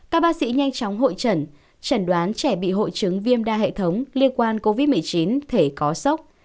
các bác sĩ nhanh chóng hội trần chẩn đoán trẻ bị hội chứng viêm đa hệ thống liên quan covid một mươi chín thể có sốc